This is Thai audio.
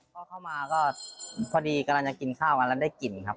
พอเข้ามาก็พอดีกำลังจะกินข้าวกันแล้วได้กลิ่นครับ